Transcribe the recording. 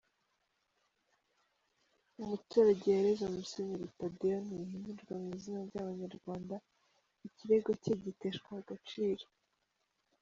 Umuturage yareze Musenyeri Tadeyo Ntihinyurwa mu izina ry’Abanyarwanda ikirego cye giteshwa agaciro .